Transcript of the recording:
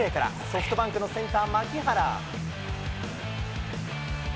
ソフトバンクのセンター、牧原。